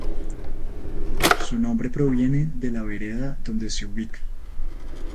Su nombre proviene de la vereda donde se ubica.